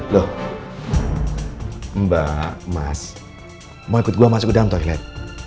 loh mbak mas mau ikut gua masuk ke dalam toilet